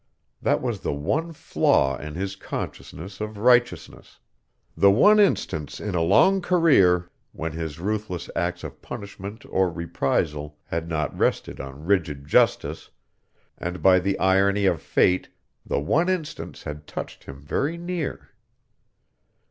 That was the one flaw in his consciousness of righteousness; the one instance in a long career when his ruthless acts of punishment or reprisal had not rested on rigid justice, and by the irony of fate the one instance had touched him very near.